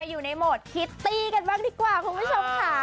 อยู่ในโหมดคิตตี้กันบ้างดีกว่าคุณผู้ชมค่ะ